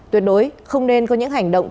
tuyệt đối không nên có những hành động